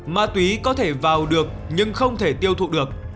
ma túy có thể vào được nhưng không thể tiêu thụ được